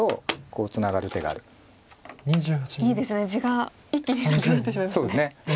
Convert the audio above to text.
地が一気になくなってしまいますね。